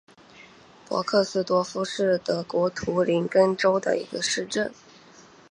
波克斯多夫是德国图林根州的一个市镇。